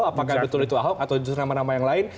apakah betul itu ahok atau justru nama nama yang lain